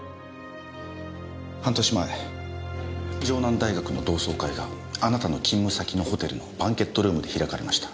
半年前城南大学の同窓会があなたの勤務先のホテルのバンケットルームで開かれました。